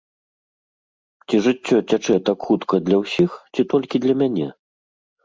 Ці жыццё цячэ так хутка для ўсіх, ці толькі для мяне?